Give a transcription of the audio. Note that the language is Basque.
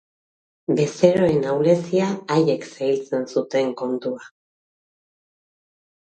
Bezeroen ahulezia haiek zailtzen zuten kontua.